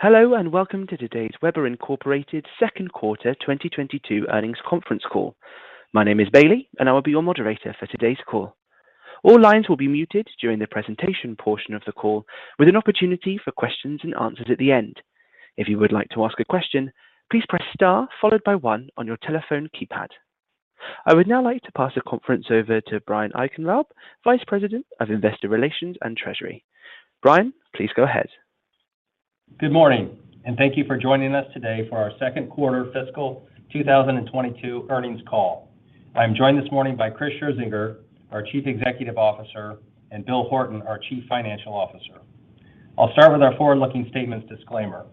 Hello and welcome to today's Weber Inc. second quarter 2022 earnings conference call. My name is Bailey, and I will be your moderator for today's call. All lines will be muted during the presentation portion of the call, with an opportunity for questions and answers at the end. If you would like to ask a question, please press star followed by one on your telephone keypad. I would now like to pass the conference over to Brian Eichenlaub, Vice President of Investor Relations and Treasury. Brian, please go ahead. Good morning, and thank you for joining us today for our second quarter fiscal 2022 earnings call. I'm joined this morning by Chris Scherzinger, our Chief Executive Officer, and Bill Horton, our Chief Financial Officer. I'll start with our forward-looking statements disclaimer.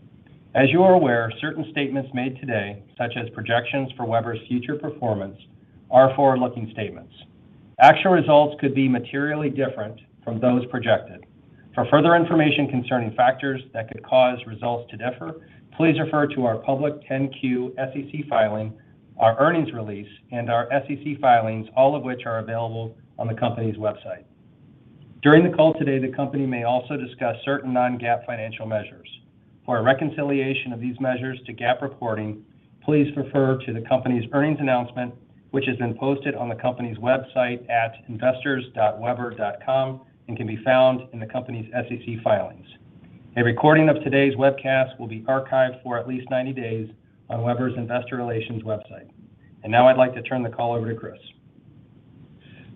As you are aware, certain statements made today, such as projections for Weber's future performance, are forward-looking statements. Actual results could be materially different from those projected. For further information concerning factors that could cause results to differ, please refer to our public Form 10-Q SEC filing, our earnings release, and our SEC filings, all of which are available on the company's website. During the call today, the company may also discuss certain non-GAAP financial measures. For a reconciliation of these measures to GAAP reporting, please refer to the company's earnings announcement, which has been posted on the company's website at investors.weber.com and can be found in the company's SEC filings. A recording of today's webcast will be archived for at least 90 days on Weber's Investor Relations website. Now I'd like to turn the call over to Chris.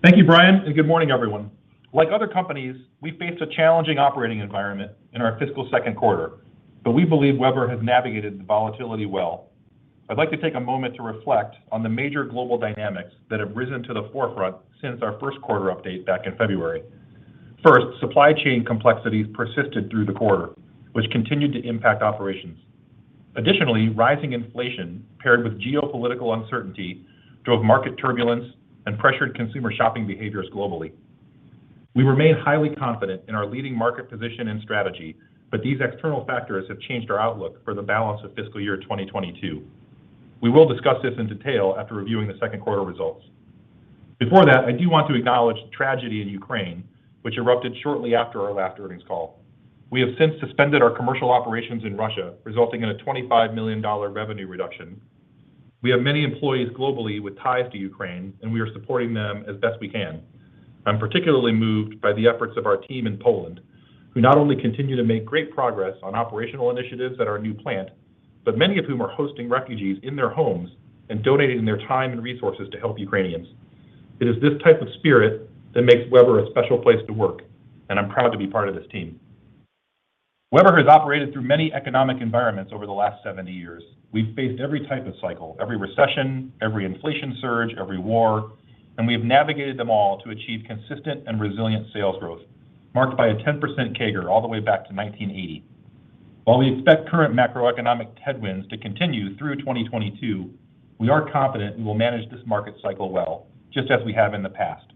Thank you, Brian, and good morning, everyone. Like other companies, we faced a challenging operating environment in our fiscal second quarter, but we believe Weber has navigated the volatility well. I'd like to take a moment to reflect on the major global dynamics that have risen to the forefront since our first quarter update back in February. First, supply chain complexities persisted through the quarter, which continued to impact operations. Additionally, rising inflation paired with geopolitical uncertainty drove market turbulence and pressured consumer shopping behaviors globally. We remain highly confident in our leading market position and strategy, but these external factors have changed our outlook for the balance of fiscal year 2022. We will discuss this in detail after reviewing the second quarter results. Before that, I do want to acknowledge the tragedy in Ukraine, which erupted shortly after our last earnings call. We have since suspended our commercial operations in Russia, resulting in a $25 million revenue reduction. We have many employees globally with ties to Ukraine, and we are supporting them as best we can. I'm particularly moved by the efforts of our team in Poland, who not only continue to make great progress on operational initiatives at our new plant, but many of whom are hosting refugees in their homes and donating their time and resources to help Ukrainians. It is this type of spirit that makes Weber a special place to work, and I'm proud to be part of this team. Weber has operated through many economic environments over the last 70 years. We've faced every type of cycle, every recession, every inflation surge, every war, and we have navigated them all to achieve consistent and resilient sales growth marked by a 10% CAGR all the way back to 1980. While we expect current macroeconomic headwinds to continue through 2022, we are confident we will manage this market cycle well, just as we have in the past.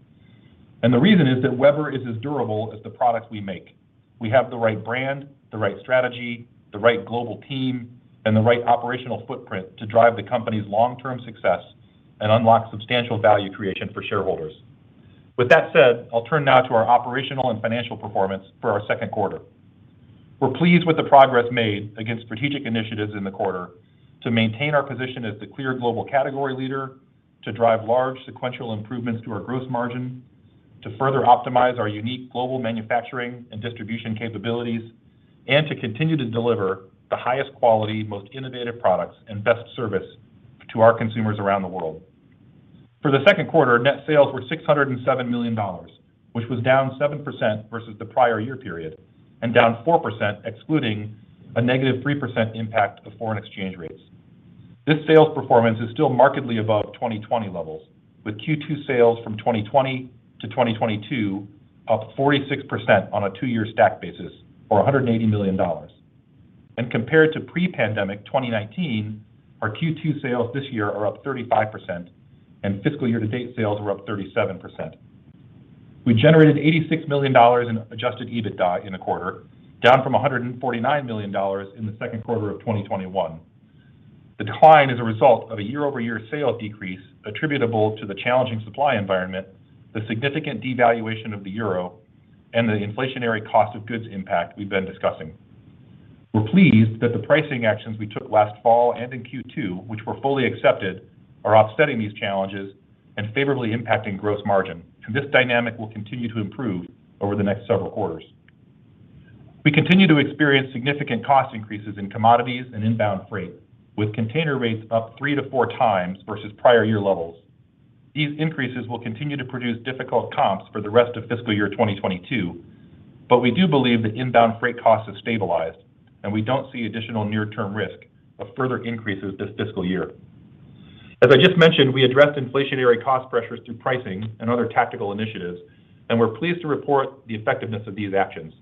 The reason is that Weber is as durable as the products we make. We have the right brand, the right strategy, the right global team, and the right operational footprint to drive the company's long-term success and unlock substantial value creation for shareholders. With that said, I'll turn now to our operational and financial performance for our second quarter. We're pleased with the progress made against strategic initiatives in the quarter to maintain our position as the clear global category leader, to drive large sequential improvements to our gross margin, to further optimize our unique global manufacturing and distribution capabilities, and to continue to deliver the highest quality, most innovative products and best service to our consumers around the world. For the second quarter, net sales were $607 million, which was down 7% versus the prior year period and down 4% excluding a negative 3% impact of foreign exchange rates. This sales performance is still markedly above 2020 levels, with Q2 sales from 2020 to 2022 up 46% on a two-year stack basis, or $180 million. Compared to pre-pandemic 2019, our Q2 sales this year are up 35% and fiscal year to date sales are up 37%. We generated $86 million in adjusted EBITDA in the quarter, down from $149 million in the second quarter of 2021. The decline is a result of a year-over-year sales decrease attributable to the challenging supply environment, the significant devaluation of the euro, and the inflationary cost of goods impact we've been discussing. We're pleased that the pricing actions we took last fall and in Q2, which were fully accepted, are offsetting these challenges and favorably impacting gross margin. This dynamic will continue to improve over the next several quarters. We continue to experience significant cost increases in commodities and inbound freight, with container rates up 3x-4x versus prior year levels. These increases will continue to produce difficult comps for the rest of fiscal year 2022, but we do believe that inbound freight costs have stabilized, and we don't see additional near-term risk of further increases this fiscal year. As I just mentioned, we addressed inflationary cost pressures through pricing and other tactical initiatives, and we're pleased to report the effectiveness of these actions.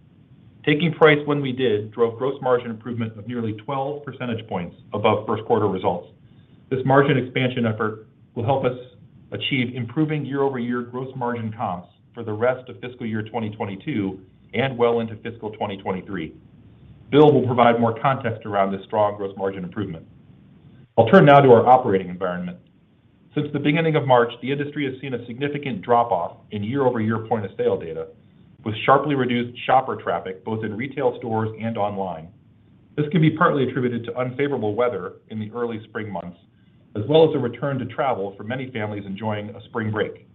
Taking price when we did drove gross margin improvement of nearly 12 percentage points above first quarter results. This margin expansion effort will help us achieve improving year-over-year gross margin comps for the rest of fiscal year 2022 and well into fiscal year 2023. Bill will provide more context around this strong gross margin improvement. I'll turn now to our operating environment. Since the beginning of March, the industry has seen a significant drop-off in year-over-year point of sale data, with sharply reduced shopper traffic both in retail stores and online. This can be partly attributed to unfavorable weather in the early spring months, as well as a return to travel for many families enjoying a spring break.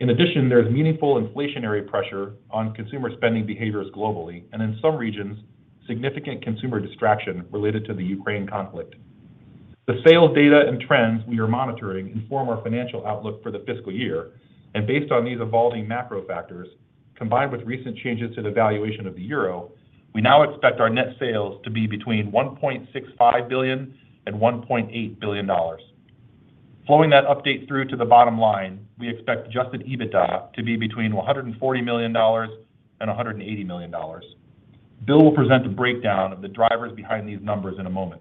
In addition, there is meaningful inflationary pressure on consumer spending behaviors globally, and in some regions, significant consumer distraction related to the Ukraine conflict. The sales data and trends we are monitoring inform our financial outlook for the fiscal year. Based on these evolving macro factors, combined with recent changes to the valuation of the euro, we now expect our net sales to be between $1.65 billion and $1.8 billion. Flowing that update through to the bottom line, we expect adjusted EBITDA to be between $140 million and $180 million. Bill will present a breakdown of the drivers behind these numbers in a moment.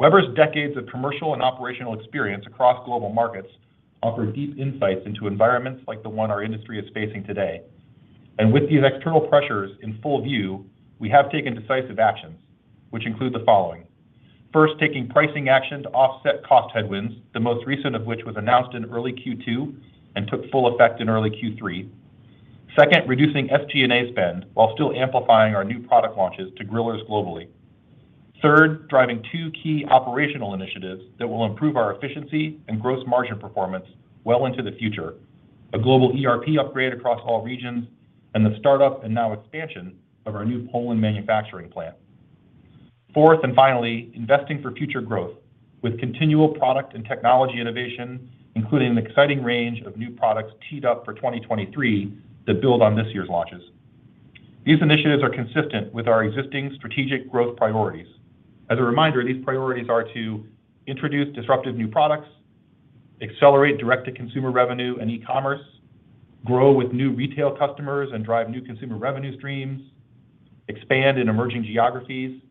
Weber's decades of commercial and operational experience across global markets offer deep insights into environments like the one our industry is facing today. With these external pressures in full view, we have taken decisive actions, which include the following. First, taking pricing action to offset cost headwinds, the most recent of which was announced in early Q2 and took full effect in early Q3. Second, reducing SG&A spend while still amplifying our new product launches to grillers globally. Third, driving two key operational initiatives that will improve our efficiency and gross margin performance well into the future, a global ERP upgrade across all regions, and the startup and now expansion of our new Poland manufacturing plant. Fourth, and finally, investing for future growth with continual product and technology innovation, including an exciting range of new products teed up for 2023 that build on this year's launches. These initiatives are consistent with our existing strategic growth priorities. As a reminder, these priorities are to introduce disruptive new products, accelerate direct-to-consumer revenue and e-commerce, grow with new retail customers and drive new consumer revenue streams, expand in emerging geographies,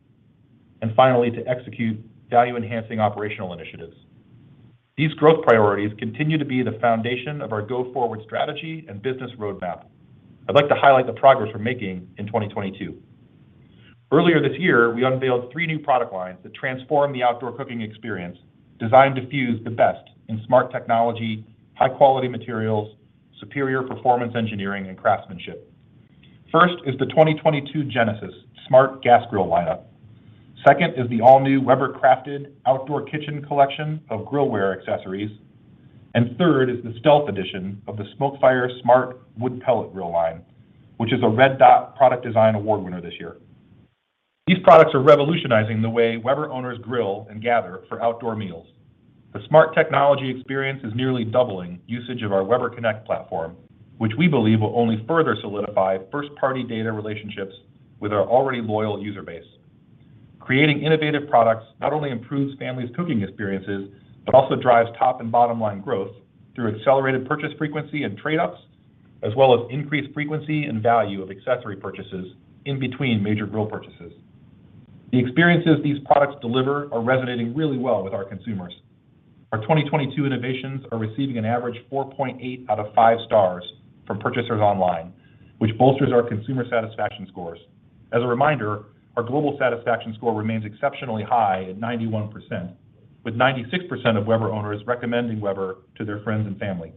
and finally, to execute value-enhancing operational initiatives. These growth priorities continue to be the foundation of our go-forward strategy and business roadmap. I'd like to highlight the progress we're making in 2022. Earlier this year, we unveiled three new product lines that transform the outdoor cooking experience, designed to fuse the best in smart technology, high quality materials, superior performance engineering, and craftsmanship. First is the 2022 Genesis smart gas grill lineup. Second is the all-new Weber Crafted outdoor kitchen collection of grillware accessories. Third is the Stealth Edition of the SmokeFire smart wood pellet grill line, which is a Red Dot product design award winner this year. These products are revolutionizing the way Weber owners grill and gather for outdoor meals. The smart technology experience is nearly doubling usage of our Weber Connect platform, which we believe will only further solidify first-party data relationships with our already loyal user base. Creating innovative products not only improves families' cooking experiences, but also drives top and bottom line growth through accelerated purchase frequency and trade-ups, as well as increased frequency and value of accessory purchases in between major grill purchases. The experiences these products deliver are resonating really well with our consumers. Our 2022 innovations are receiving an average 4.8 out of five stars from purchasers online, which bolsters our consumer satisfaction scores. As a reminder, our global satisfaction score remains exceptionally high at 91%, with 96% of Weber owners recommending Weber to their friends and family.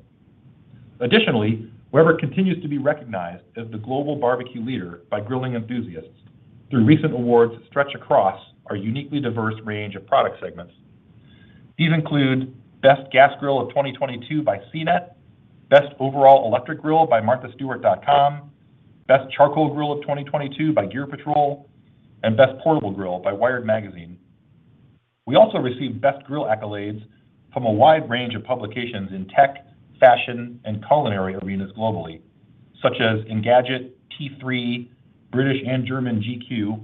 Additionally, Weber continues to be recognized as the global barbecue leader by grilling enthusiasts through recent awards that stretch across our uniquely diverse range of product segments. These include Best Gas Grill of 2022 by CNET, Best Overall Electric Grill by MarthaStewart.com, Best Charcoal Grill of 2022 by Gear Patrol, and Best Portable Grill by Wired Magazine. We also received best grill accolades from a wide range of publications in tech, fashion, and culinary arenas globally, such as Engadget, T3, British and German GQ,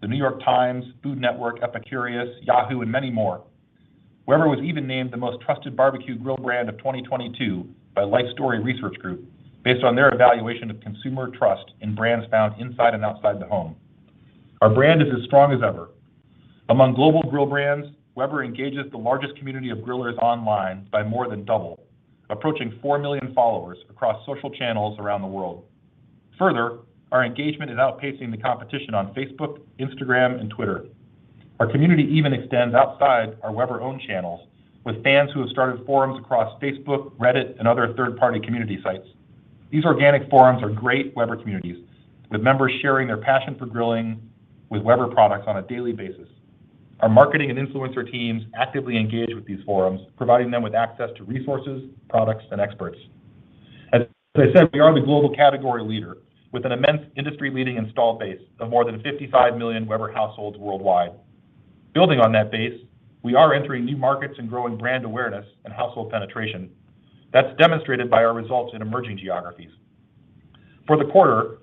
The New York Times, Food Network, Epicurious, Yahoo, and many more. Weber was even named the most trusted barbecue grill brand of 2022 by Lifestory Research based on their evaluation of consumer trust in brands found inside and outside the home. Our brand is as strong as ever. Among global grill brands, Weber engages the largest community of grillers online by more than double, approaching 4 million followers across social channels around the world. Further, our engagement is outpacing the competition on Facebook, Instagram, and Twitter. Our community even extends outside our Weber-owned channels with fans who have started forums across Facebook, Reddit, and other third-party community sites. These organic forums are great Weber communities, with members sharing their passion for grilling with Weber products on a daily basis. Our marketing and influencer teams actively engage with these forums, providing them with access to resources, products, and experts. As I said, we are the global category leader with an immense industry-leading installed base of more than 55 million Weber households worldwide. Building on that base, we are entering new markets and growing brand awareness and household penetration. That's demonstrated by our results in emerging geographies. For the quarter,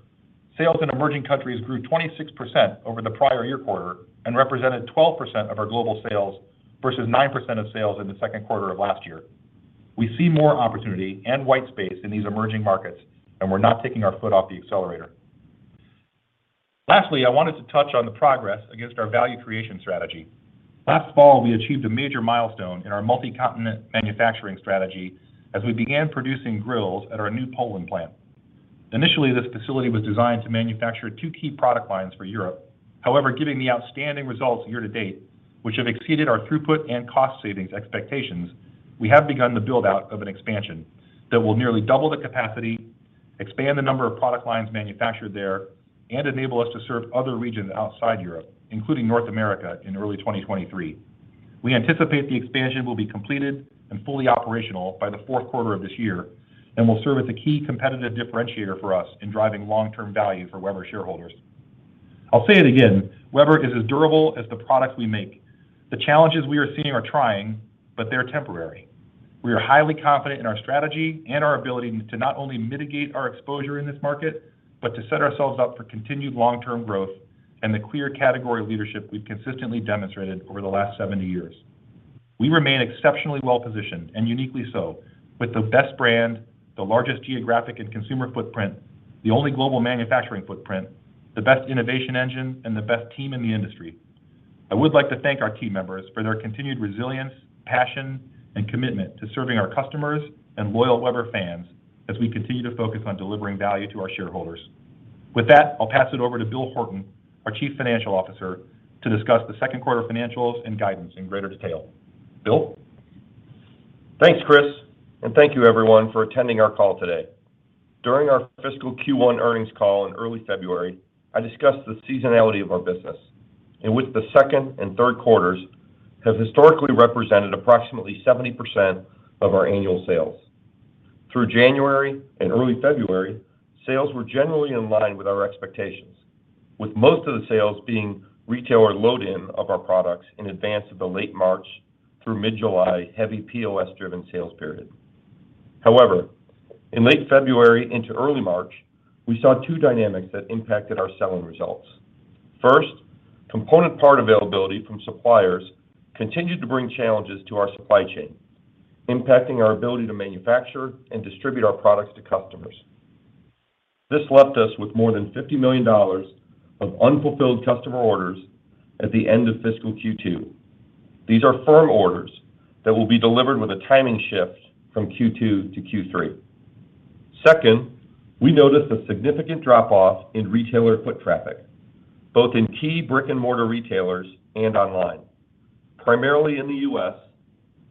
sales in emerging countries grew 26% over the prior year quarter and represented 12% of our global sales versus 9% of sales in the second quarter of last year. We see more opportunity and white space in these emerging markets, and we're not taking our foot off the accelerator. Lastly, I wanted to touch on the progress against our value creation strategy. Last fall, we achieved a major milestone in our multi-continent manufacturing strategy as we began producing grills at our new Poland plant. Initially, this facility was designed to manufacture two key product lines for Europe. However, given the outstanding results year to date, which have exceeded our throughput and cost savings expectations, we have begun the build out of an expansion that will nearly double the capacity, expand the number of product lines manufactured there, and enable us to serve other regions outside Europe, including North America in early 2023. We anticipate the expansion will be completed and fully operational by the fourth quarter of this year, and will serve as a key competitive differentiator for us in driving long term value for Weber shareholders. I'll say it again, Weber is as durable as the products we make. The challenges we are seeing are trying, but they're temporary. We are highly confident in our strategy and our ability to not only mitigate our exposure in this market, but to set ourselves up for continued long term growth and the clear category leadership we've consistently demonstrated over the last 70 years. We remain exceptionally well positioned and uniquely so with the best brand, the largest geographic and consumer footprint, the only global manufacturing footprint, the best innovation engine, and the best team in the industry. I would like to thank our team members for their continued resilience, passion, and commitment to serving our customers and loyal Weber fans as we continue to focus on delivering value to our shareholders. With that, I'll pass it over to Bill Horton, our Chief Financial Officer, to discuss the second quarter financials and guidance in greater detail. Bill? Thanks, Chris, and thank you everyone for attending our call today. During our fiscal Q1 earnings call in early February, I discussed the seasonality of our business in which the second and third quarters have historically represented approximately 70% of our annual sales. Through January and early February, sales were generally in line with our expectations, with most of the sales being retailer load in of our products in advance of the late March through mid-July heavy POS driven sales period. However, in late February into early March, we saw two dynamics that impacted our selling results. First, component part availability from suppliers continued to bring challenges to our supply chain, impacting our ability to manufacture and distribute our products to customers. This left us with more than $50 million of unfulfilled customer orders at the end of fiscal Q2. These are firm orders that will be delivered with a timing shift from Q2 to Q3. Second, we noticed a significant drop off in retailer foot traffic, both in key brick-and-mortar retailers and online, primarily in the U.S.,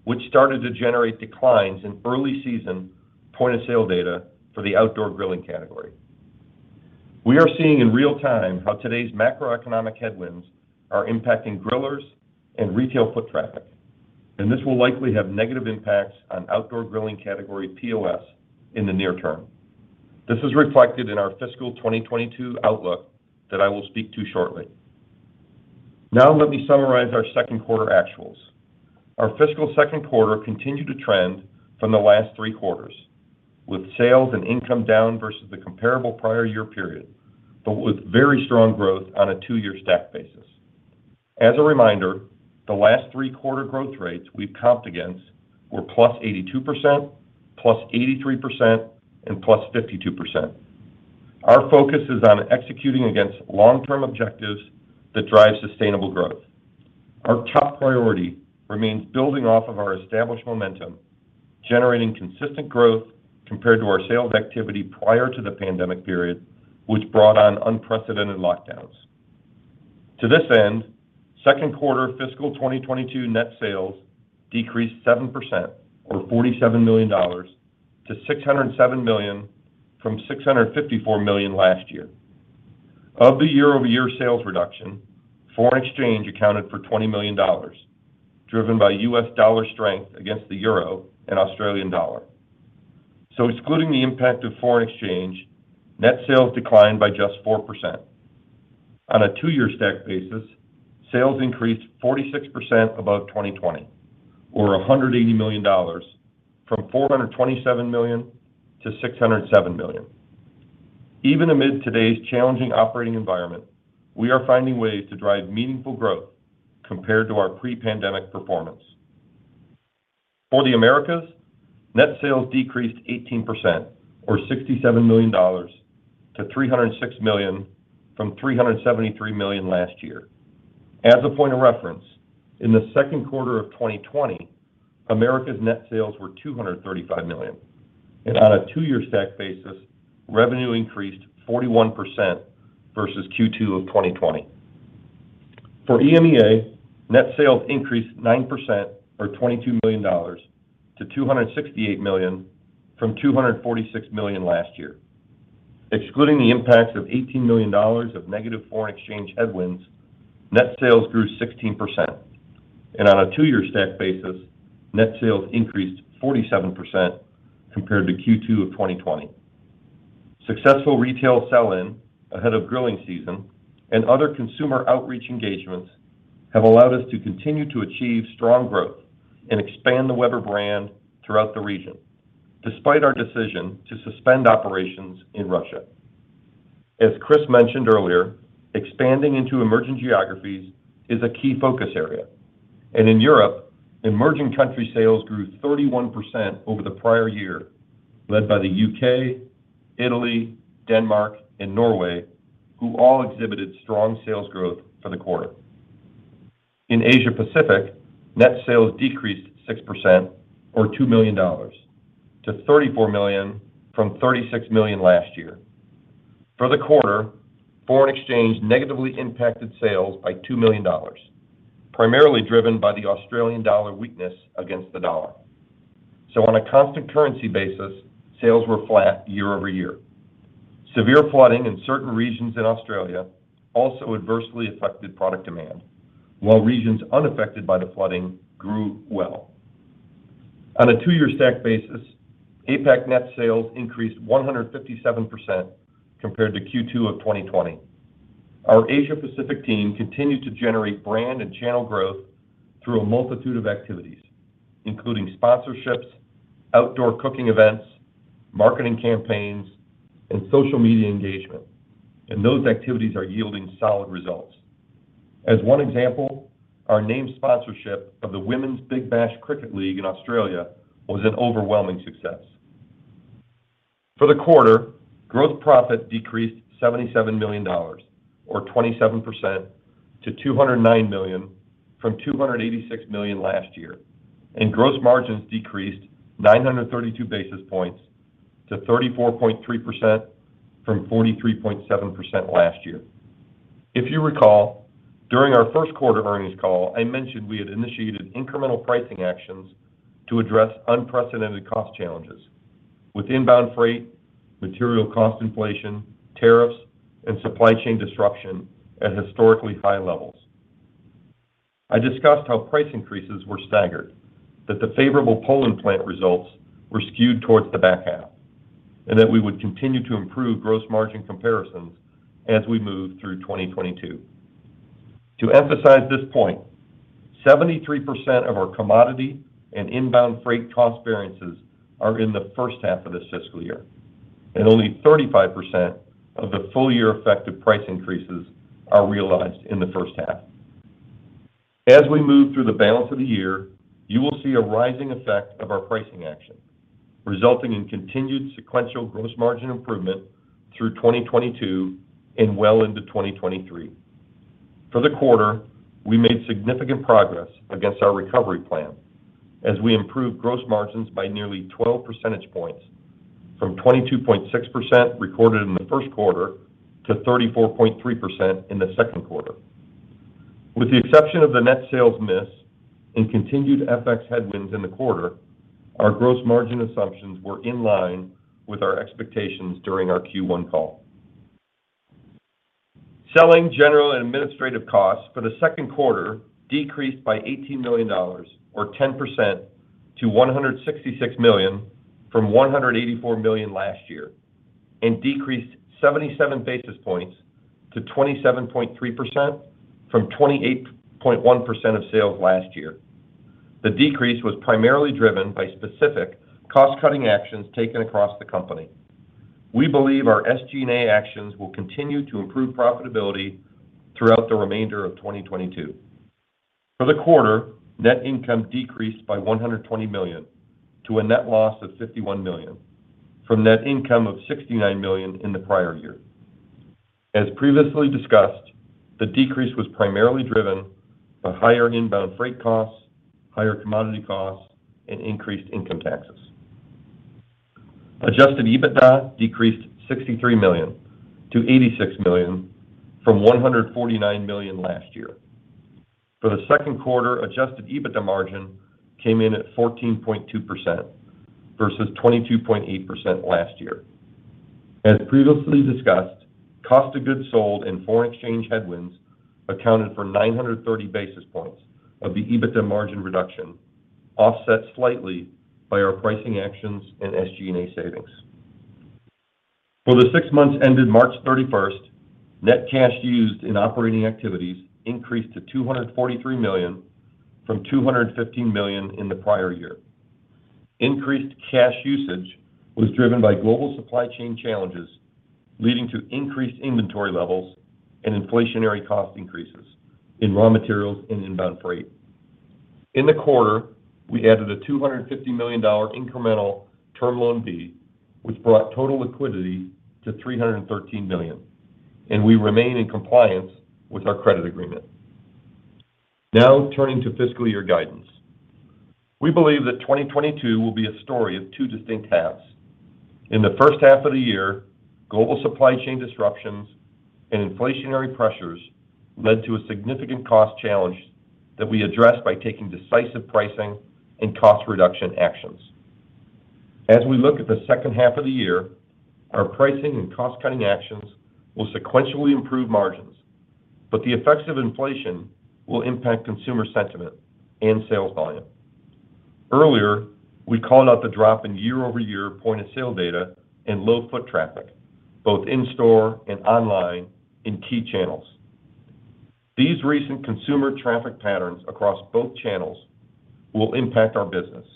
which started to generate declines in early season point of sale data for the outdoor grilling category. We are seeing in real time how today's macroeconomic headwinds are impacting grillers and retail foot traffic, and this will likely have negative impacts on outdoor grilling category POS in the near term. This is reflected in our fiscal 2022 outlook that I will speak to shortly. Now let me summarize our second quarter actuals. Our fiscal second quarter continued to trend from the last three quarters, with sales and income down versus the comparable prior year period, but with very strong growth on a two-year stack basis. As a reminder, the last three quarter growth rates we've comped against were +82%, +83%, and +52%. Our focus is on executing against long term objectives that drive sustainable growth. Our top priority remains building off of our established momentum, generating consistent growth compared to our sales activity prior to the pandemic period, which brought on unprecedented lockdowns. To this end, second quarter fiscal 2022 net sales decreased 7% or $47 million to $607 million from $654 million last year. Of the year-over-year sales reduction, foreign exchange accounted for $20 million, driven by US dollar strength against the euro and Australian dollar. Excluding the impact of foreign exchange, net sales declined by just 4%. On a two-year stack basis, sales increased 46% above 2020, or $180 million from $427 million to $607 million. Even amid today's challenging operating environment, we are finding ways to drive meaningful growth compared to our pre-pandemic performance. For the Americas, net sales decreased 18% or $67 million to $306 million from $373 million last year. As a point of reference, in the second quarter of 2020, America's net sales were $235 million, and on a two-year stack basis, revenue increased 41% versus Q2 of 2020. For EMEA, net sales increased 9% or $22 million to $268 million from $246 million last year. Excluding the impacts of $18 million of negative foreign exchange headwinds, net sales grew 16%, and on a two-year stack basis, net sales increased 47% compared to Q2 of 2020. Successful retail sell-in ahead of grilling season and other consumer outreach engagements have allowed us to continue to achieve strong growth and expand the Weber brand throughout the region, despite our decision to suspend operations in Russia. As Chris mentioned earlier, expanding into emerging geographies is a key focus area. In Europe, emerging country sales grew 31% over the prior year, led by the UK, Italy, Denmark, and Norway, who all exhibited strong sales growth for the quarter. In Asia Pacific, net sales decreased 6% or $2 million to $34 million from $36 million last year. For the quarter, foreign exchange negatively impacted sales by $2 million, primarily driven by the Australian dollar weakness against the dollar. On a constant currency basis, sales were flat year over year. Severe flooding in certain regions in Australia also adversely affected product demand, while regions unaffected by the flooding grew well. On a two-year stack basis, APAC net sales increased 157% compared to Q2 of 2020. Our Asia Pacific team continued to generate brand and channel growth through a multitude of activities, including sponsorships, outdoor cooking events, marketing campaigns, and social media engagement, and those activities are yielding solid results. As one example, our name sponsorship of the Women's Big Bash League in Australia was an overwhelming success. For the quarter, gross profit decreased $77 million or 27% to $209 million from $286 million last year, and gross margins decreased 932 basis points to 34.3% from 43.7% last year. If you recall, during our first quarter earnings call, I mentioned we had initiated incremental pricing actions to address unprecedented cost challenges with inbound freight, material cost inflation, tariffs, and supply chain disruption at historically high levels. I discussed how price increases were staggered, that the favorable Poland plant results were skewed towards the back half, and that we would continue to improve gross margin comparisons as we move through 2022. To emphasize this point, 73% of our commodity and inbound freight cost variances are in the first half of this fiscal year, and only 35% of the full year effect of price increases are realized in the first half. As we move through the balance of the year, you will see a rising effect of our pricing action, resulting in continued sequential gross margin improvement through 2022 and well into 2023. For the quarter, we made significant progress against our recovery plan as we improved gross margins by nearly 12 percentage points from 22.6% recorded in the first quarter to 34.3% in the second quarter. With the exception of the net sales miss and continued FX headwinds in the quarter, our gross margin assumptions were in line with our expectations during our Q1 call. Selling, general, and administrative costs for the second quarter decreased by $18 million or 10% to $166 million from $184 million last year and decreased 77 basis points to 27.3% from 28.1% of sales last year. The decrease was primarily driven by specific cost-cutting actions taken across the company. We believe our SG&A actions will continue to improve profitability throughout the remainder of 2022. For the quarter, net income decreased by $120 million to a net loss of $51 million from net income of $69 million in the prior year. As previously discussed, the decrease was primarily driven by higher inbound freight costs, higher commodity costs, and increased income taxes. Adjusted EBITDA decreased $63 million to $86 million from $149 million last year. For the second quarter, adjusted EBITDA margin came in at 14.2% versus 22.8% last year. As previously discussed, cost of goods sold and foreign exchange headwinds accounted for 930 basis points of the EBITDA margin reduction, offset slightly by our pricing actions and SG&A savings. For the six months ended March 31st, net cash used in operating activities increased to $243 million from $215 million in the prior year. Increased cash usage was driven by global supply chain challenges, leading to increased inventory levels and inflationary cost increases in raw materials and inbound freight. In the quarter, we added a $250 million incremental term loan B, which brought total liquidity to $313 million, and we remain in compliance with our credit agreement. Now, turning to fiscal year guidance. We believe that 2022 will be a story of two distinct halves. In the first half of the year, global supply chain disruptions and inflationary pressures led to a significant cost challenge that we addressed by taking decisive pricing and cost reduction actions. As we look at the second half of the year, our pricing and cost-cutting actions will sequentially improve margins, but the effects of inflation will impact consumer sentiment and sales volume. Earlier, we called out the drop in year-over-year point of sale data and low foot traffic, both in-store and online in key channels. These recent consumer traffic patterns across both channels will impact our business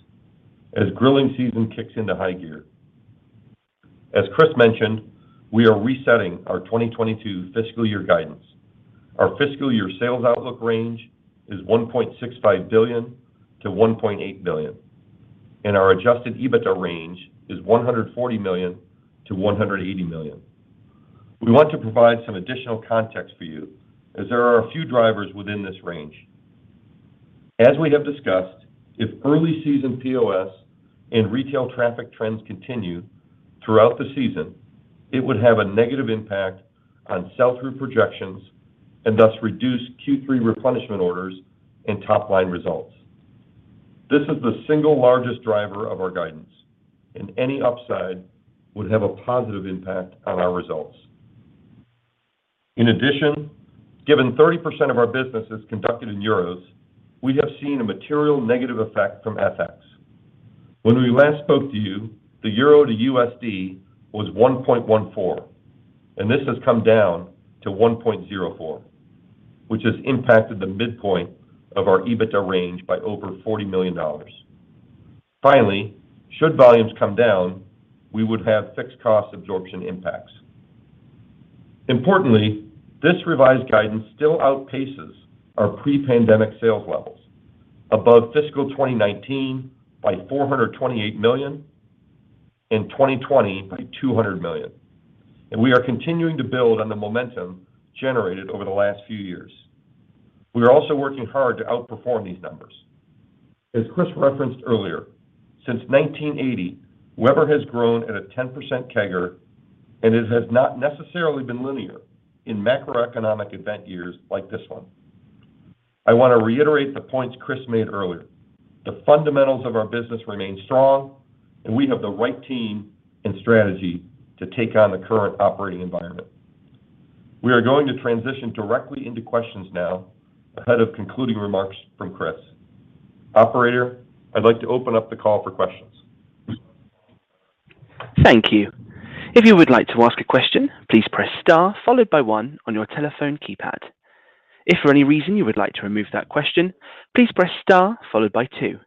as grilling season kicks into high gear. As Chris mentioned, we are resetting our 2022 fiscal year guidance. Our fiscal year sales outlook range is $1.65 billion-$1.8 billion, and our adjusted EBITDA range is $140 million-$180 million. We want to provide some additional context for you as there are a few drivers within this range. As we have discussed, if early season POS and retail traffic trends continue throughout the season, it would have a negative impact on sell-through projections and thus reduce Q3 replenishment orders and top-line results. This is the single largest driver of our guidance, and any upside would have a positive impact on our results. In addition, given 30% of our business is conducted in euros, we have seen a material negative effect from FX. When we last spoke to you, the euro to USD was 1.14, and this has come down to 1.04, which has impacted the midpoint of our EBITDA range by over $40 million. Finally, should volumes come down, we would have fixed cost absorption impacts. Importantly, this revised guidance still outpaces our pre-pandemic sales levels above fiscal 2019 by $428 million and 2020 by $200 million, and we are continuing to build on the momentum generated over the last few years. We are also working hard to outperform these numbers. As Chris referenced earlier, since 1980, Weber has grown at a 10% CAGR, and it has not necessarily been linear in macroeconomic event years like this one. I want to reiterate the points Chris made earlier. The fundamentals of our business remain strong, and we have the right team and strategy to take on the current operating environment. We are going to transition directly into questions now ahead of concluding remarks from Chris. Operator, I'd like to open up the call for questions. Thank you. If you would like to ask a question, please press star followed by one on your telephone keypad. If for any reason you would like to remove that question, please press star followed by two.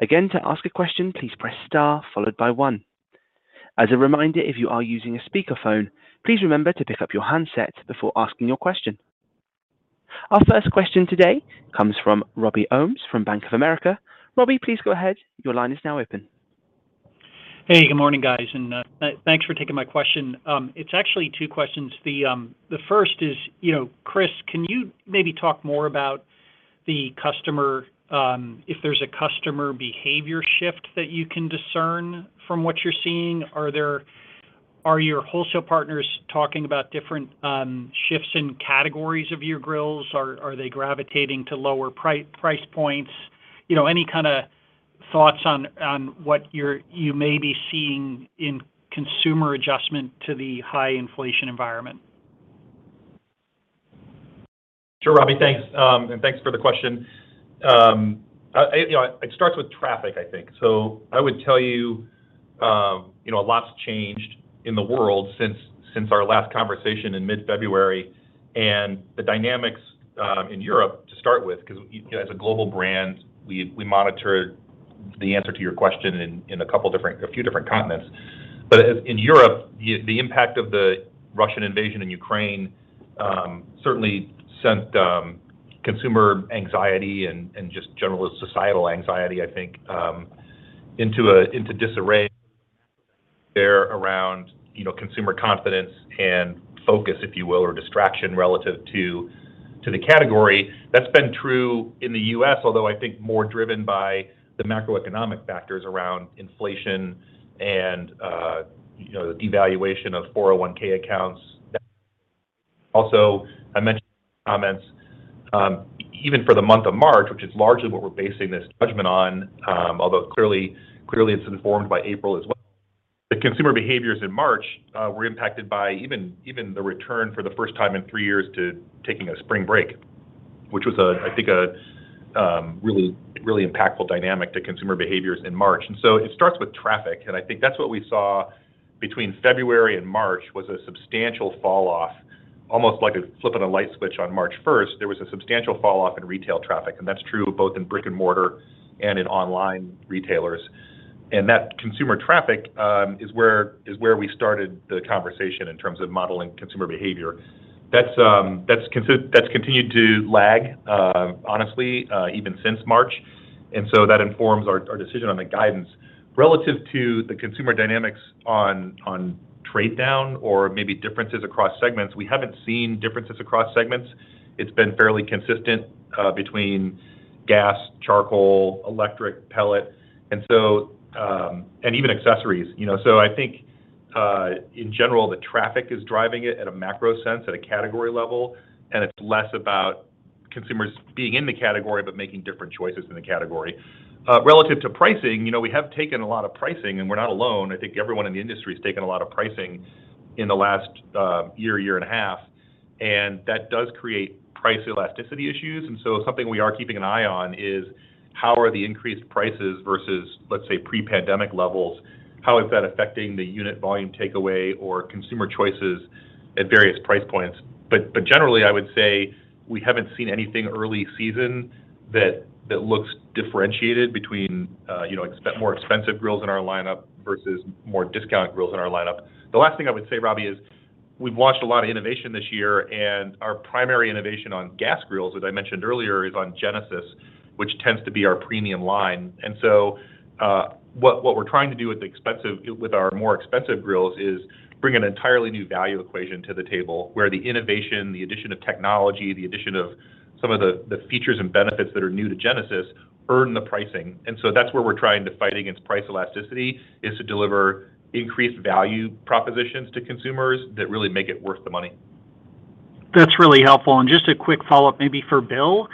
Again, to ask a question, please press star followed by one. As a reminder, if you are using a speakerphone, please remember to pick up your handset before asking your question. Our first question today comes from Robert Ohmes from Bank of America. Robbie, please go ahead. Your line is now open. Hey, good morning, guys, and thanks for taking my question. It's actually two questions. The first is, you know, Chris, can you maybe talk more about the customer, if there's a customer behavior shift that you can discern from what you're seeing? Are your wholesale partners talking about different shifts in categories of your grills? Are they gravitating to lower price points? You know, any kind of thoughts on what you may be seeing in consumer adjustment to the high inflation environment? Sure, Robbie. Thanks, and thanks for the question. You know, it starts with traffic, I think. I would tell you know, a lot's changed in the world since our last conversation in mid-February and the dynamics in Europe to start with, because you know, as a global brand, we monitor the answer to your question in a few different continents. As in Europe, the impact of the Russian invasion in Ukraine certainly sent consumer anxiety and just general societal anxiety, I think, into disarray there around you know, consumer confidence and focus, if you will, or distraction relative to the category. That's been true in the U.S., although I think more driven by the macroeconomic factors around inflation and, you know, the devaluation of 401(k) accounts. Also, I mentioned comments even for the month of March, which is largely what we're basing this judgment on, although clearly it's informed by April as well. The consumer behaviors in March were impacted by even the return for the first time in three years to taking a spring break, which was, I think, a really impactful dynamic to consumer behaviors in March. It starts with traffic, and I think that's what we saw between February and March was a substantial falloff, almost like flipping a light switch on March first. There was a substantial falloff in retail traffic, and that's true both in brick-and-mortar and in online retailers. That consumer traffic is where we started the conversation in terms of modeling consumer behavior. That's continued to lag, honestly, even since March. That informs our decision on the guidance. Relative to the consumer dynamics on trade down or maybe differences across segments, we haven't seen differences across segments. It's been fairly consistent between gas, charcoal, electric, pellet, and even accessories. You know, I think in general, the traffic is driving it at a macro sense at a category level, and it's less about consumers being in the category, but making different choices in the category. Relative to pricing, you know, we have taken a lot of pricing, and we're not alone. I think everyone in the industry has taken a lot of pricing in the last year and a half, and that does create price elasticity issues. Something we are keeping an eye on is how the increased prices versus, let's say, pre-pandemic levels, how is that affecting the unit volume takeaway or consumer choices at various price points? Generally, I would say we haven't seen anything early season that looks differentiated between, you know, more expensive grills in our lineup versus more discount grills in our lineup. The last thing I would say, Robbie, is we've launched a lot of innovation this year, and our primary innovation on gas grills, as I mentioned earlier, is on Genesis, which tends to be our premium line. What we're trying to do with our more expensive grills is bring an entirely new value equation to the table, where the innovation, the addition of technology, the addition of some of the features and benefits that are new to Genesis earn the pricing. That's where we're trying to fight against price elasticity, is to deliver increased value propositions to consumers that really make it worth the money. That's really helpful. Just a quick follow-up maybe for Bill.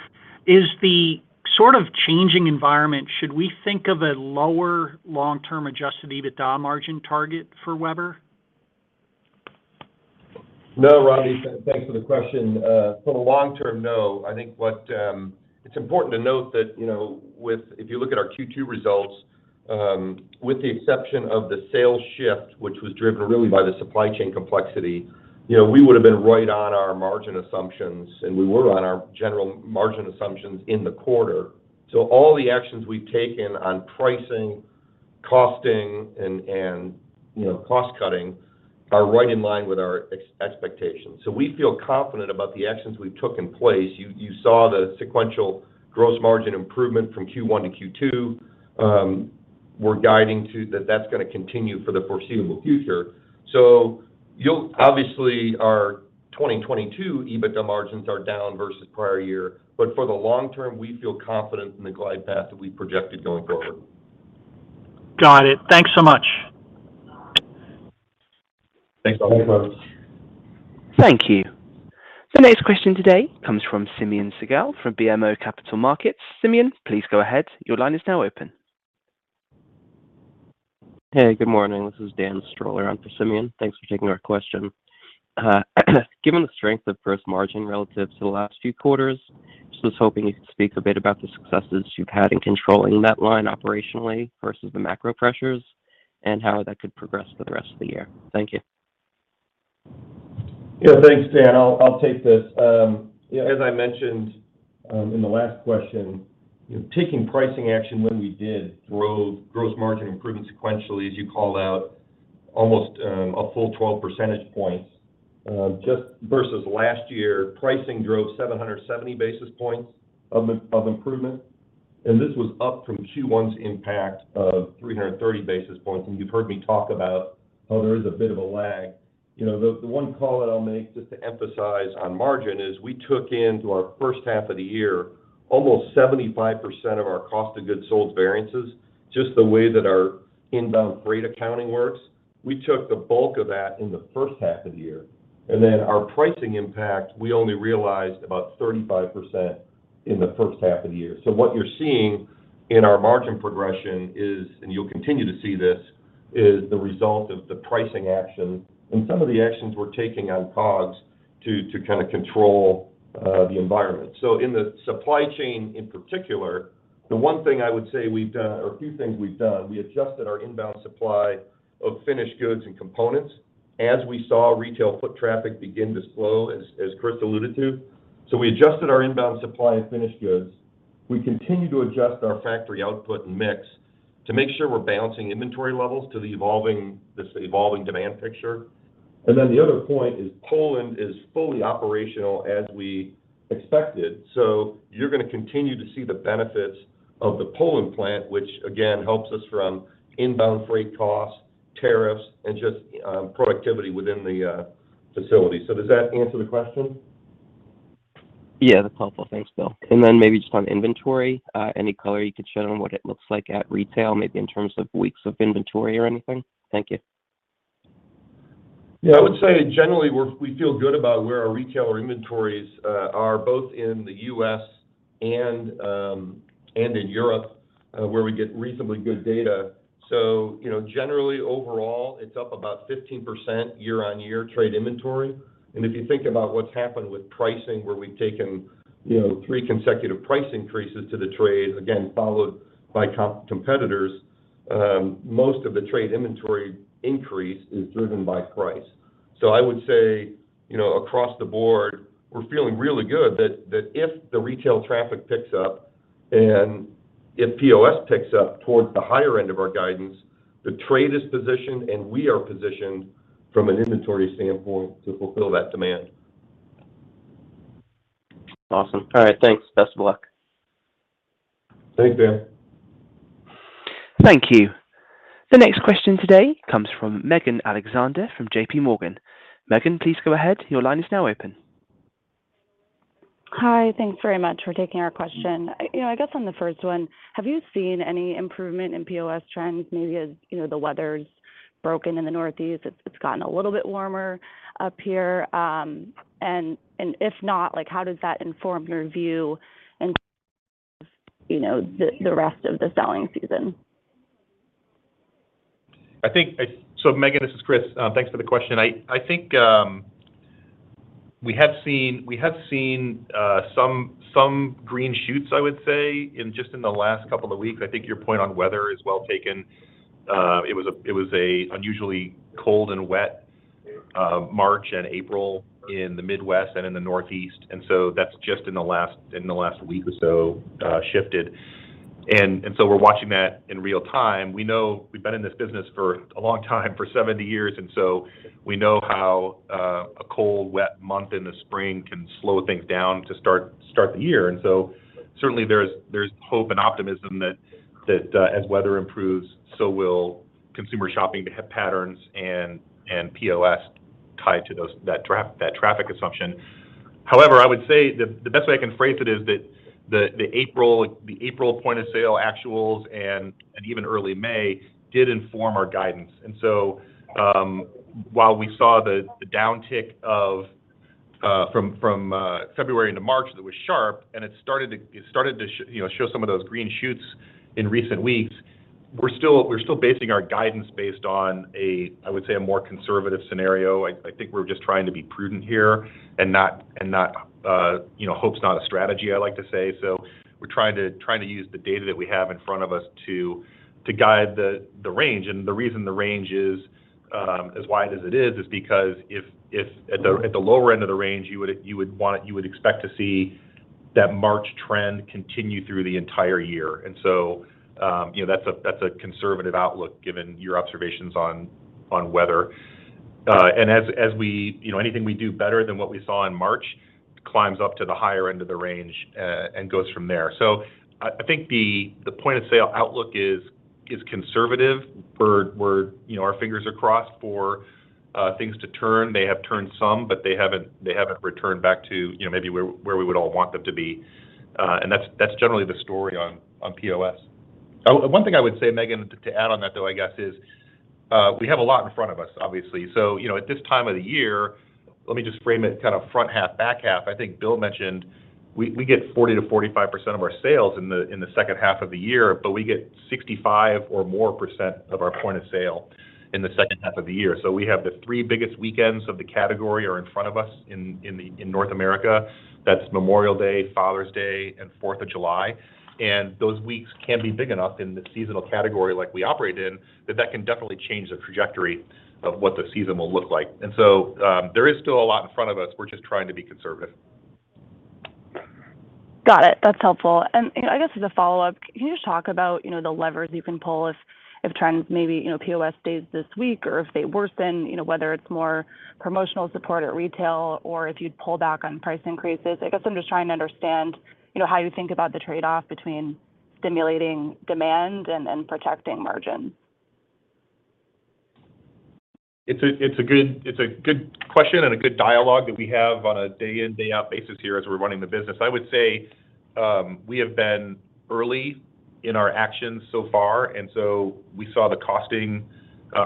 Is the sort of changing environment, should we think of a lower long-term adjusted EBITDA margin target for Weber? No, Robbie. Thanks for the question. For the long term, no. It's important to note that, you know, with if you look at our Q2 results, with the exception of the sales shift, which was driven really by the supply chain complexity, you know, we would have been right on our margin assumptions, and we were on our general margin assumptions in the quarter. All the actions we've taken on pricing, costing, and cost cutting are right in line with our expectation. We feel confident about the actions we put in place. You saw the sequential gross margin improvement from Q1 to Q2. We're guiding to the fact that it's gonna continue for the foreseeable future. Obviously, our 22 EBITDA margins are down versus prior year, but for the long term, we feel confident in the glide path that we've projected going forward. Got it. Thanks so much. Thanks, Robert. Thanks, Robert. Thank you. The next question today comes from Simeon Siegel from BMO Capital Markets. Simeon, please go ahead. Your line is now open. Hey, good morning. This is Dan Stroller on for Simeon. Thanks for taking our question. Given the strength of gross margin relative to the last few quarters, just was hoping you could speak a bit about the successes you've had in controlling that line operationally versus the macro pressures and how that could progress for the rest of the year. Thank you. Yeah, thanks, Dan. I'll take this. You know, as I mentioned in the last question, you know, taking pricing action when we did drove gross margin improvement sequentially, as you called out, almost a full 12 percentage points. Just versus last year, pricing drove 770 basis points of improvement, and this was up from Q1's impact of 330 basis points. You've heard me talk about how there is a bit of a lag. You know, the one call that I'll make just to emphasize on margin is we took into our first half of the year almost 75% of our cost of goods sold variances, just the way that our inbound freight accounting works. We took the bulk of that in the first half of the year. Our pricing impact, we only realized about 35% in the first half of the year. What you're seeing in our margin progression is, and you'll continue to see this, is the result of the pricing action and some of the actions we're taking on COGS to kind of control the environment. In the supply chain in particular, the one thing I would say we've done, or a few things we've done, we adjusted our inbound supply of finished goods and components as we saw retail foot traffic begin to slow, as Chris alluded to. We adjusted our inbound supply of finished goods. We continue to adjust our factory output and mix to make sure we're balancing inventory levels to the evolving demand picture. The other point is Poland is fully operational as we expected. You're gonna continue to see the benefits of the Poland plant, which again helps us from inbound freight costs, tariffs, and just productivity within the facility. Does that answer the question? Yeah, that's helpful. Thanks, Bill. Maybe just on inventory, any color you could shed on what it looks like at retail, maybe in terms of weeks of inventory or anything? Thank you. Yeah, I would say generally we feel good about where our retailer inventories are both in the U.S. and in Europe, where we get reasonably good data. You know, generally overall, it's up about 15% year-on-year trade inventory. If you think about what's happened with pricing, where we've taken, you know, three consecutive price increases to the trade, again, followed by competitors, most of the trade inventory increase is driven by price. I would say, you know, across the board, we're feeling really good that if the retail traffic picks up and if POS picks up towards the higher end of our guidance, the trade is positioned and we are positioned from an inventory standpoint to fulfill that demand. Awesome. All right, thanks. Best of luck. Thanks, Dan. Thank you. The next question today comes from Megan Alexander from J.P. Morgan. Megan, please go ahead. Your line is now open. Hi. Thanks very much for taking our question. You know, I guess on the first one, have you seen any improvement in POS trends? Maybe as, you know, the weather's broken in the Northeast, it's gotten a little bit warmer up here. If not, like, how does that inform your view and, you know, the rest of the selling season? Megan, this is Chris. Thanks for the question. I think we have seen some green shoots, I would say, in just the last couple of weeks. I think your point on weather is well taken. It was unusually cold and wet March and April in the Midwest and in the Northeast, and so that's just in the last week or so shifted. We're watching that in real time. We know we've been in this business for a long time, for 70 years, and so we know how a cold, wet month in the spring can slow things down to start the year. Certainly there's hope and optimism that as weather improves, so will consumer shopping patterns and POS tied to those that traffic assumption. However, I would say the best way I can phrase it is that the April point of sale actuals and even early May did inform our guidance. While we saw the downtick from February into March, that was sharp, and it started to show some of those green shoots in recent weeks. We're still basing our guidance based on a, I would say, a more conservative scenario. I think we're just trying to be prudent here and not. You know, hope's not a strategy, I like to say. We're trying to use the data that we have in front of us to guide the range. The reason the range is as wide as it is is because if at the lower end of the range, you would expect to see that March trend continue through the entire year. You know, that's a conservative outlook given your observations on weather. You know, anything we do better than what we saw in March climbs up to the higher end of the range and goes from there. I think the point of sale outlook is conservative. You know, our fingers are crossed for things to turn. They have turned some, but they haven't returned back to, you know, maybe where we would all want them to be. That's generally the story on POS. One thing I would say, Megan, to add on that though, I guess, is we have a lot in front of us, obviously. At this time of the year, let me just frame it kind of front half, back half. I think Bill mentioned we get 40%-45% of our sales in the second half of the year, but we get 65% or more of our point of sale in the second half of the year. We have the three biggest weekends of the category are in front of us in North America. That's Memorial Day, Father's Day, and Fourth of July. Those weeks can be big enough in the seasonal category like we operate in, that can definitely change the trajectory of what the season will look like. There is still a lot in front of us. We're just trying to be conservative. Got it. That's helpful. You know, I guess as a follow-up, can you just talk about, you know, the levers you can pull if trends maybe, you know, POS stays this weak, or if they worsen, you know, whether it's more promotional support at retail or if you'd pull back on price increases? I guess I'm just trying to understand, you know, how you think about the trade-off between stimulating demand and protecting margin. It's a good question and a good dialogue that we have on a day in, day out basis here as we're running the business. I would say, we have been early in our actions so far, and so we saw the costing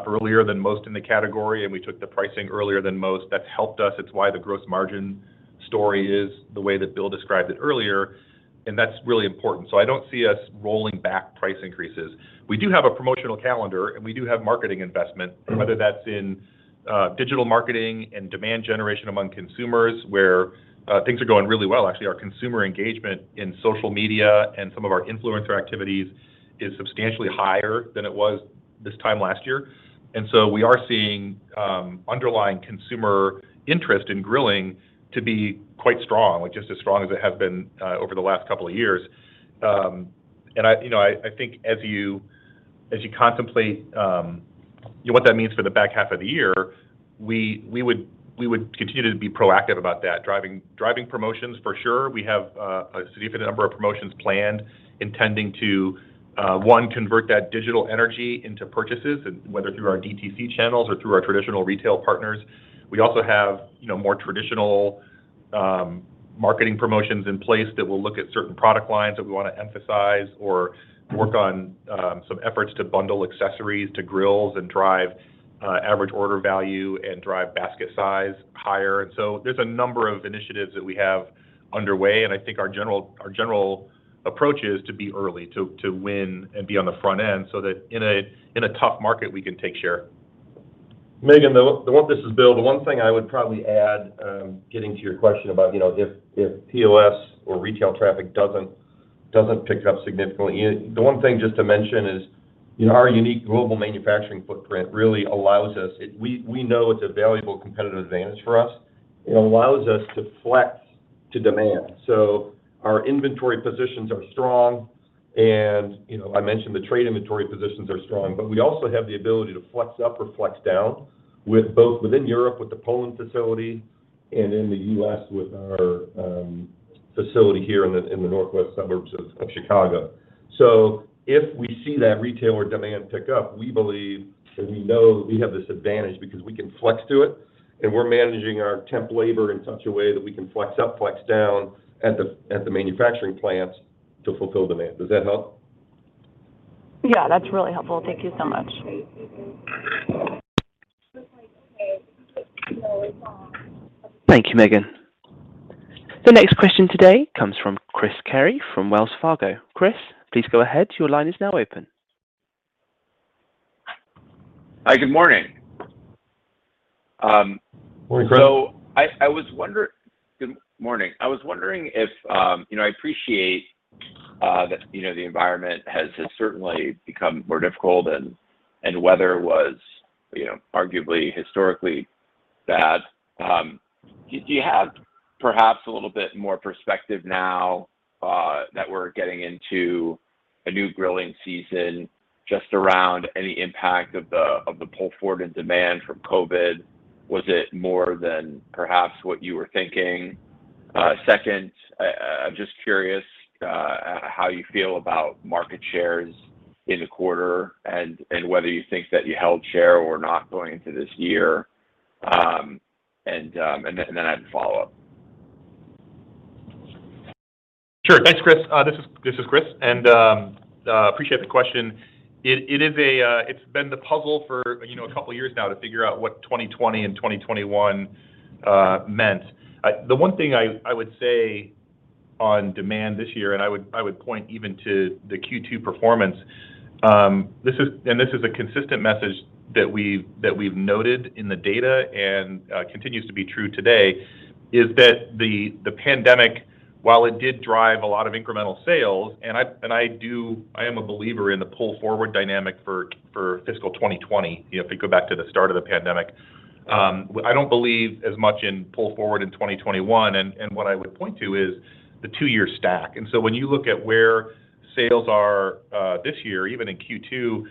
earlier than most in the category, and we took the pricing earlier than most. That's helped us. It's why the gross margin story is the way that Bill described it earlier, and that's really important. I don't see us rolling back price increases. We do have a promotional calendar, and we do have marketing investment, whether that's in, digital marketing and demand generation among consumers, where, things are going really well. Actually, our consumer engagement in social media and some of our influencer activities is substantially higher than it was this time last year. We are seeing underlying consumer interest in grilling to be quite strong, like just as strong as it has been over the last couple of years. I think as you contemplate what that means for the back half of the year, we would continue to be proactive about that. Driving promotions for sure. We have a significant number of promotions planned intending to one, convert that digital energy into purchases, and whether through our DTC channels or through our traditional retail partners. We also have, you know, more traditional marketing promotions in place that will look at certain product lines that we wanna emphasize or work on, some efforts to bundle accessories to grills and drive average order value and drive basket size higher. There's a number of initiatives that we have underway, and I think our general approach is to be early to win and be on the front end so that in a tough market, we can take share. Megan, this is Bill. The one thing I would probably add, getting to your question about, you know, if POS or retail traffic doesn't pick up significantly. You know, the one thing just to mention is, you know, our unique global manufacturing footprint really allows us. We know it's a valuable competitive advantage for us. It allows us to flex to demand. Our inventory positions are strong and, you know, I mentioned the trade inventory positions are strong, but we also have the ability to flex up or flex down both within Europe, with the Poland facility and in the U.S. with our facility here in the northwest suburbs of Chicago. If we see that retail or demand pick up, we believe and we know we have this advantage because we can flex to it, and we're managing our temp labor in such a way that we can flex up, flex down at the manufacturing plants to fulfill demand. Does that help? Yeah, that's really helpful. Thank you so much. Thank you, Megan. The next question today comes from Chris Carey from Wells Fargo. Chris, please go ahead. Your line is now open. Hi, good morning. Morning, Chris. Good morning. I was wondering if you know, I appreciate that you know, the environment has certainly become more difficult and weather was you know, arguably historically. That do you have perhaps a little bit more perspective now that we're getting into a new grilling season just around any impact of the pull forward in demand from COVID? Was it more than perhaps what you were thinking? Second, I'm just curious how you feel about market shares in the quarter and whether you think that you held share or not going into this year. I have follow-up. Sure. Thanks, Chris. This is Chris, and appreciate the question. It is a puzzle for, you know, a couple of years now to figure out what 2020 and 2021 meant. The one thing I would say on demand this year, and I would point even to the Q2 performance, this is a consistent message that we've noted in the data and continues to be true today, is that the pandemic, while it did drive a lot of incremental sales, and I am a believer in the pull-forward dynamic for fiscal 2020, you know, if we go back to the start of the pandemic. I don't believe as much in pull forward in 2021, and what I would point to is the two-year stack. When you look at where sales are this year, even in Q2, you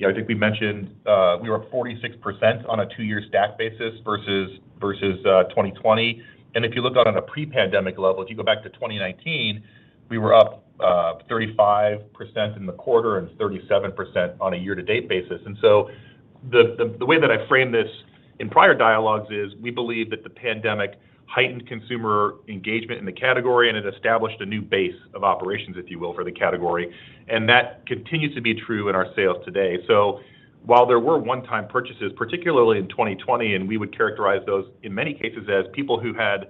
know, I think we mentioned we were 46% on a two-year stack basis versus 2020. If you look out on a pre-pandemic level, if you go back to 2019, we were up 35% in the quarter and 37% on a year-to-date basis. The way that I frame this in prior dialogues is we believe that the pandemic heightened consumer engagement in the category, and it established a new base of operations, if you will, for the category. That continues to be true in our sales today. While there were one-time purchases, particularly in 2020, and we would characterize those in many cases as people who had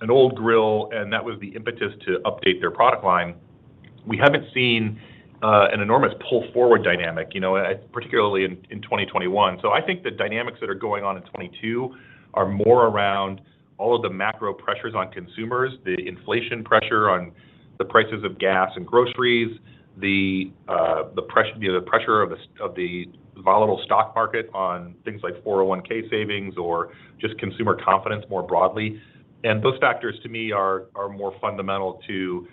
an old grill, and that was the impetus to update their product line. We haven't seen an enormous pull-forward dynamic, you know, particularly in 2021. I think the dynamics that are going on in 2022 are more around all of the macro pressures on consumers, the inflation pressure on the prices of gas and groceries, the pressure of the volatile stock market on things like 401(k) savings or just consumer confidence more broadly. Those factors to me are more fundamental to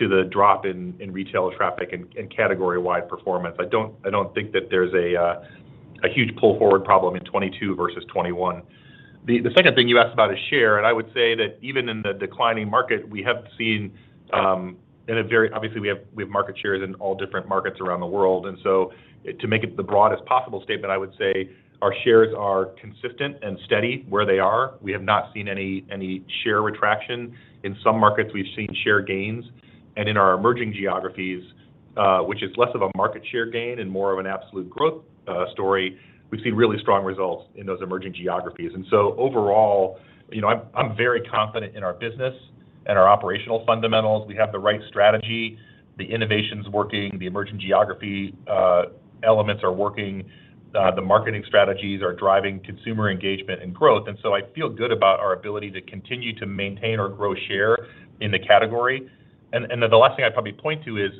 the drop in retail traffic and category-wide performance. I don't think that there's a huge pull-forward problem in 2022 versus 2021. The second thing you asked about is share, and I would say that even in the declining market, we have seen. Obviously, we have market shares in all different markets around the world. To make it the broadest possible statement, I would say our shares are consistent and steady where they are. We have not seen any share retraction. In some markets, we've seen share gains. In our emerging geographies, which is less of a market share gain and more of an absolute growth story, we've seen really strong results in those emerging geographies. Overall, I'm very confident in our business and our operational fundamentals. We have the right strategy, the innovation's working, the emerging geography elements are working, the marketing strategies are driving consumer engagement and growth. I feel good about our ability to continue to maintain or grow share in the category. Then the last thing I'd probably point to is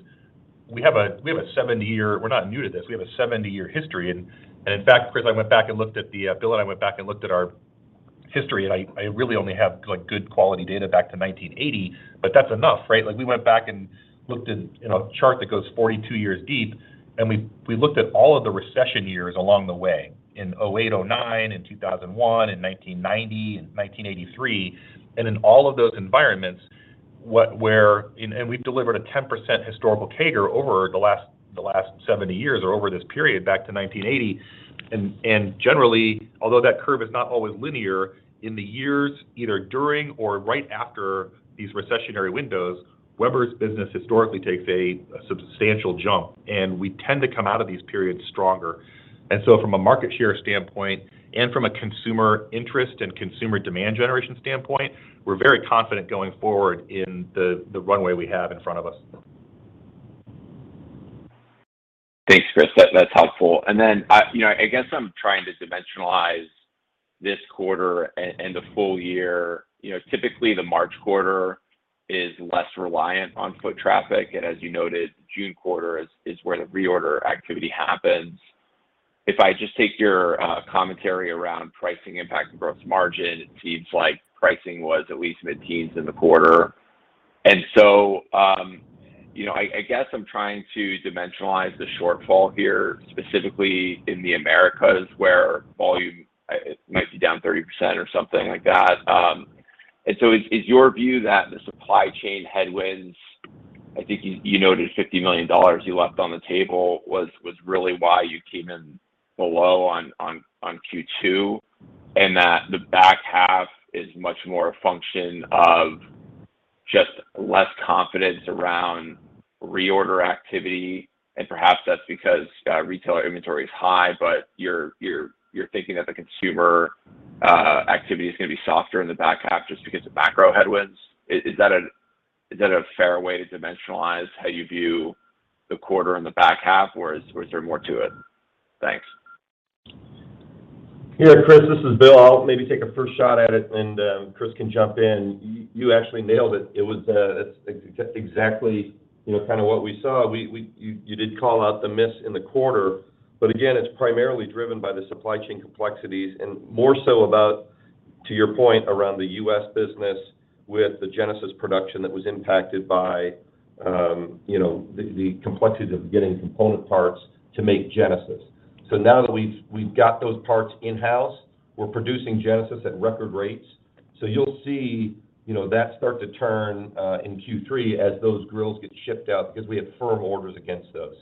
we're not new to this. We have a 70-year history. In fact, Chris, Bill and I went back and looked at our history, and I really only have like good quality data back to 1980, but that's enough, right? Like, we went back and looked at, you know, a chart that goes 42 years deep, and we looked at all of the recession years along the way, in 2008, 2009, in 2001, in 1990, in 1983. In all of those environments, what where. We've delivered a 10% historical CAGR over the last 70 years or over this period back to 1980. Generally, although that curve is not always linear, in the years either during or right after these recessionary windows, Weber's business historically takes a substantial jump, and we tend to come out of these periods stronger. From a market share standpoint and from a consumer interest and consumer demand generation standpoint, we're very confident going forward in the runway we have in front of us. Thanks, Chris. That's helpful. You know, I guess I'm trying to dimensionalize this quarter and the full year. You know, typically, the March quarter is less reliant on foot traffic. As you noted, the June quarter is where the reorder activity happens. If I just take your commentary around pricing impact and gross margin, it seems like pricing was at least mid-teens in the quarter. You know, I guess I'm trying to dimensionalize the shortfall here, specifically in the Americas, where volume, it might be down 30% or something like that. Is your view that the supply chain headwinds, I think you noted $50 million you left on the table was really why you came in below on Q2, and that the back half is much more a function of just less confidence around reorder activity, and perhaps that's because retailer inventory is high, but you're thinking that the consumer activity is gonna be softer in the back half just because of macro headwinds? Is that a fair way to dimensionalize how you view the quarter in the back half, or is there more to it? Thanks. Yeah. Chris, this is Bill. I'll maybe take a first shot at it, and Chris can jump in. You actually nailed it. It was exactly, you know, kind of what we saw. You did call out the miss in the quarter. Again, it's primarily driven by the supply chain complexities and more so about To your point around the U.S. business with the Genesis production that was impacted by the complexity of getting component parts to make Genesis. Now that we've got those parts in-house, we're producing Genesis at record rates. You'll see that start to turn in Q3 as those grills get shipped out because we have firm orders against those.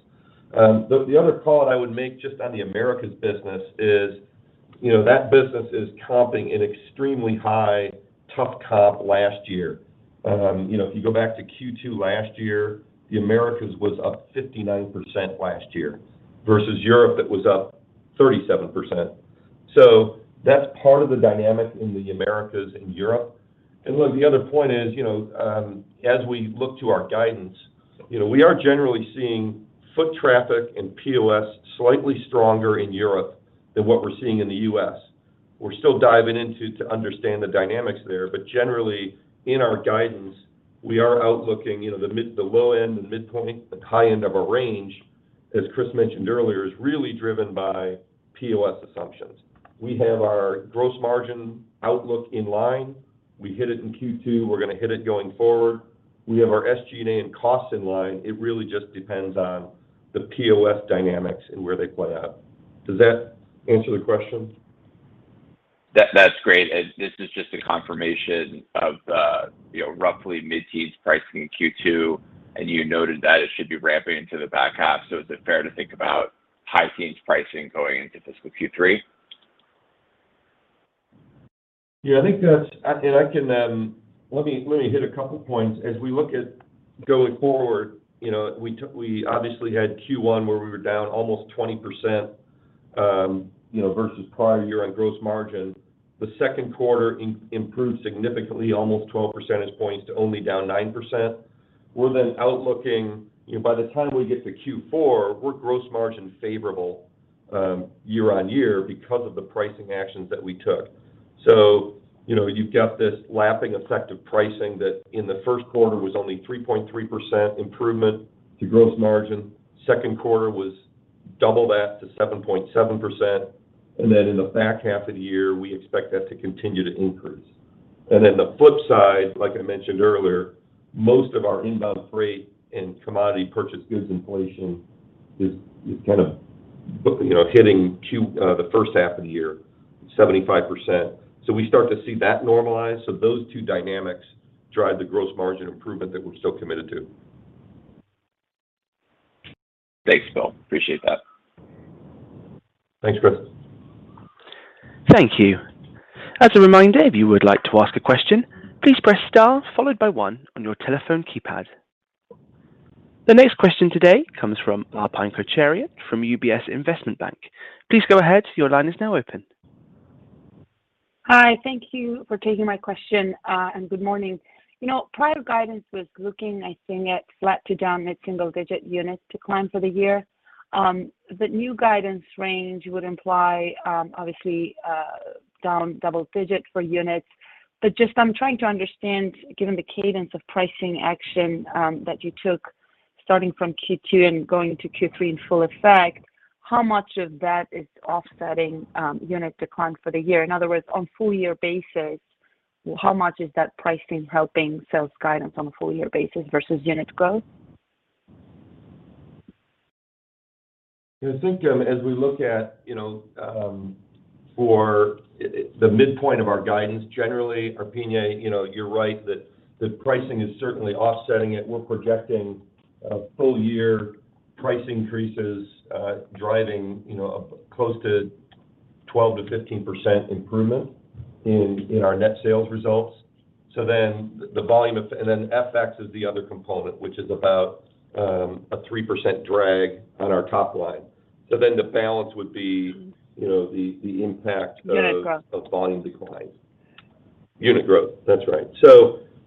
The other call that I would make just on the Americas business is that business is comping an extremely high tough comp last year. If you go back to Q2 last year, the Americas was up 59% last year versus Europe that was up 37%. That's part of the dynamic in the Americas and Europe. Look, the other point is, you know, as we look to our guidance, you know, we are generally seeing foot traffic and POS slightly stronger in Europe than what we're seeing in the US. We're still diving in to understand the dynamics there, but generally, in our guidance, we are outlooking, you know, the low end and the midpoint. The high end of our range, as Chris mentioned earlier, is really driven by POS assumptions. We have our gross margin outlook in line. We hit it in Q2, we're gonna hit it going forward. We have our SG&A and costs in line. It really just depends on the POS dynamics and where they play out. Does that answer the question? That's great. This is just a confirmation of, you know, roughly mid-teens pricing in Q2, and you noted that it should be ramping into the back half. Is it fair to think about high teens pricing going into fiscal Q3? Yeah, I think that's. I can. Let me hit a couple points. As we look at going forward, you know, we obviously had Q1 where we were down almost 20%, you know, versus prior year on gross margin. The second quarter improved significantly, almost 12 percentage points to only down 9%. Our outlook is, you know, by the time we get to Q4, we're gross margin favorable, year-over-year because of the pricing actions that we took. You know, you've got this lapping effect of pricing that in the first quarter was only 3.3% improvement to gross margin. Second quarter was double that to 7.7%. Then in the back half of the year, we expect that to continue to increase. The flip side, like I mentioned earlier, most of our inbound freight and commodity purchase goods inflation is kind of, you know, hitting the first half of the year, 75%. We start to see that normalize. Those two dynamics drive the gross margin improvement that we're still committed to. Thanks, Bill. Appreciate that. Thanks, Chris. Thank you. As a reminder, if you would like to ask a question, please press star followed by one on your telephone keypad. The next question today comes from Arpine Kocharyan from UBS Investment Bank. Please go ahead. Your line is now open. Hi, thank you for taking my question, and good morning. You know, prior guidance was looking, I think, at flat to down mid-single-digit units decline for the year. The new guidance range would imply, obviously, down double-digit for units. Just I'm trying to understand, given the cadence of pricing action, that you took starting from Q2 and going to Q3 in full effect, how much of that is offsetting, unit decline for the year? In other words, on full year basis, how much is that pricing helping sales guidance on a full year basis versus unit growth? I think, as we look at, you know, for the midpoint of our guidance, generally, Arpine, you know, you're right that the pricing is certainly offsetting it. We're projecting full year price increases, driving, you know, close to 12%-15% improvement in our net sales results. FX is the other component, which is about a 3% drag on our top line. The balance would be. Mm-hmm. You know, the impact of Unit growth of volume decline. Unit growth. That's right.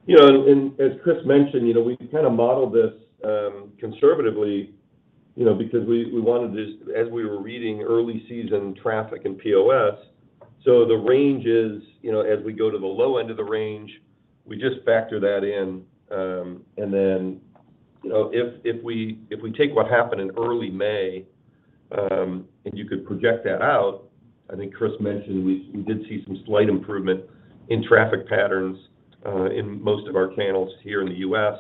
You know, and as Chris mentioned, you know, we kind of modeled this conservatively, you know, because we wanted to as we were reading early season traffic in POS. The range is, you know, as we go to the low end of the range, we just factor that in, and then, you know, if we take what happened in early May, and you could project that out, I think Chris mentioned we did see some slight improvement in traffic patterns in most of our channels here in the U.S.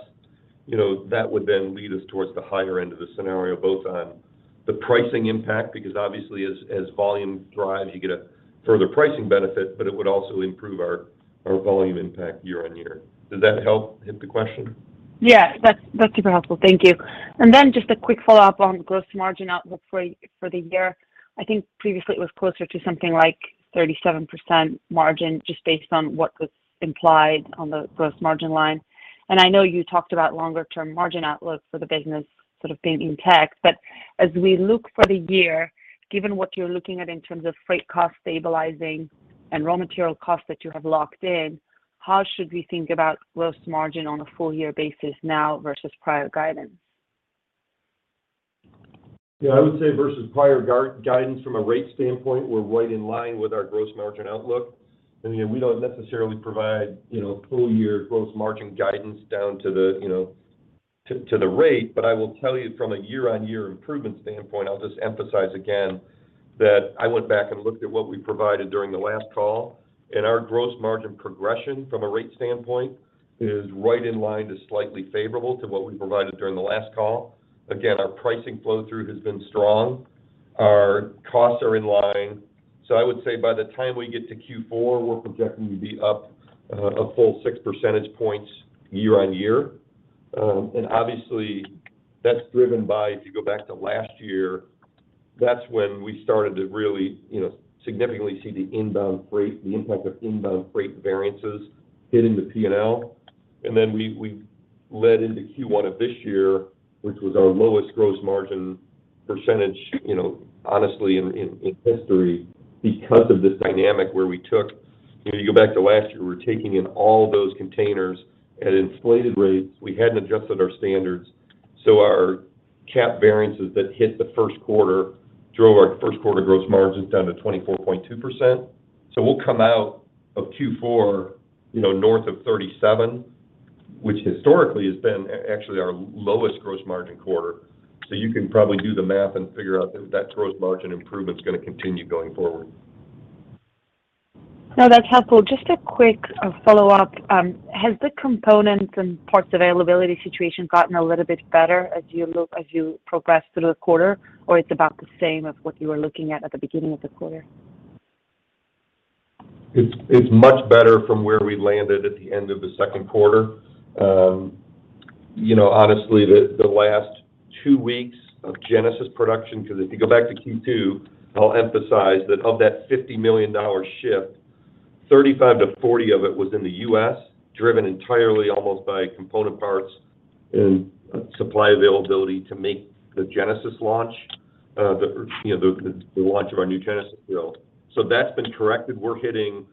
You know, that would then lead us towards the higher end of the scenario, both on the pricing impact, because obviously as volume drives, you get a further pricing benefit, but it would also improve our volume impact year on year. Does that help hit the question? Yeah. That's super helpful. Thank you. Then just a quick follow-up on gross margin outlook for the year. I think previously it was closer to something like 37% margin, just based on what was implied on the gross margin line. I know you talked about longer term margin outlook for the business sort of being intact. As we look for the year, given what you're looking at in terms of freight cost stabilizing and raw material costs that you have locked in, how should we think about gross margin on a full year basis now versus prior guidance? Yeah. I would say versus prior guidance from a rate standpoint, we're right in line with our gross margin outlook. You know, we don't necessarily provide, you know, full year gross margin guidance down to the, you know, to the rate, but I will tell you from a year-on-year improvement standpoint, I'll just emphasize again that I went back and looked at what we provided during the last call, and our gross margin progression from a rate standpoint is right in line to slightly favorable to what we provided during the last call. Again, our pricing flow-through has been strong. Our costs are in line. I would say by the time we get to Q4, we're projecting to be up a full six percentage points year-on-year. Obviously, that's driven by, if you go back to last year, that's when we started to really, you know, significantly see the inbound freight, the impact of inbound freight variances hitting the P&L. We led into Q1 of this year, which was our lowest gross margin percentage, you know, honestly in history because of this dynamic where we took. If you go back to last year, we were taking in all those containers at inflated rates. We hadn't adjusted our standards, so our CapEx variances that hit the first quarter drove our first quarter gross margins down to 24.2%. We'll come out of Q4, you know, north of 37%, which historically has been actually our lowest gross margin quarter. You can probably do the math and figure out that that gross margin improvement's gonna continue going forward. No, that's helpful. Just a quick follow-up. Has the components and parts availability situation gotten a little bit better as you progress through the quarter, or it's about the same of what you were looking at at the beginning of the quarter? It's much better from where we landed at the end of the second quarter. You know, honestly, the last two weeks of Genesis production, 'cause if you go back to Q2, I'll emphasize that of that $50 million shift, $35 million-$40 million of it was in the U.S., driven entirely almost by component parts and supply availability to make the Genesis launch, the launch of our new Genesis grill. That's been corrected. We're hitting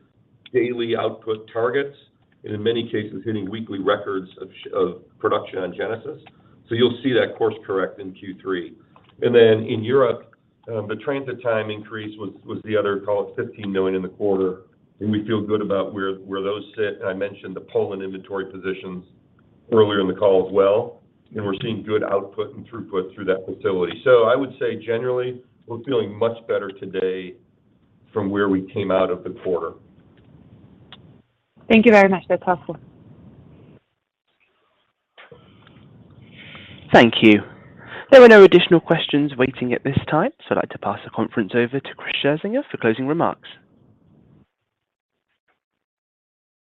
daily output targets, and in many cases, hitting weekly records of production on Genesis. You'll see that course correct in Q3. In Europe, the transit time increase was the other call of $15 million in the quarter, and we feel good about where those sit. I mentioned the Poland inventory positions earlier in the call as well, and we're seeing good output and throughput through that facility. I would say generally, we're feeling much better today from where we came out of the quarter. Thank you very much. That's helpful. Thank you. There were no additional questions waiting at this time, so I'd like to pass the conference over to Chris Scherzinger for closing remarks.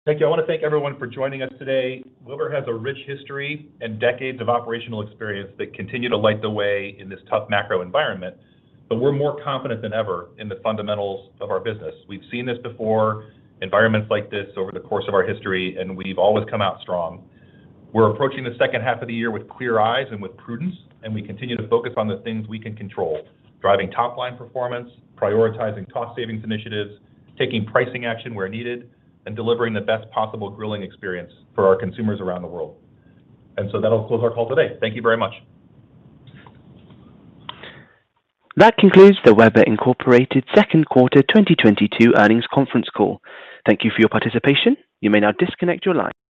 Thank you. I wanna thank everyone for joining us today. Weber has a rich history and decades of operational experience that continue to light the way in this tough macro environment, but we're more confident than ever in the fundamentals of our business. We've seen this before, environments like this over the course of our history, and we've always come out strong. We're approaching the second half of the year with clear eyes and with prudence, and we continue to focus on the things we can control, driving top-line performance, prioritizing cost savings initiatives, taking pricing action where needed, and delivering the best possible grilling experience for our consumers around the world. That'll close our call today. Thank you very much. That concludes the Weber Inc. second quarter 2022 earnings conference call. Thank you for your participation. You may now disconnect your line.